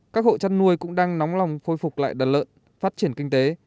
các hộ chăn nuôi cũng đang nóng lòng phôi phục lại đàn lợn phát triển kinh tế